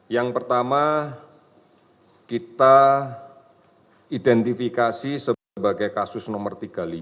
yang pertama kita identifikasi sebagai kasus nomor tiga puluh lima